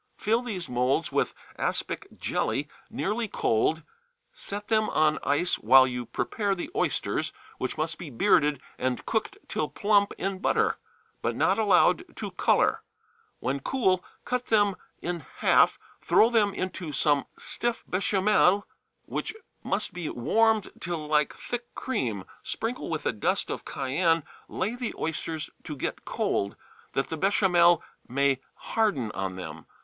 Fill these moulds with aspic jelly nearly cold, set them on ice while you prepare the oysters, which must be bearded and cooked till plump in butter, but not allowed to color. When cool, cut them in half, throw them into some stiff béchamel,[77 *] which must be warmed till like thick cream, sprinkle with a dust of cayenne; lay the oysters to get cold, that the béchamel may harden on them.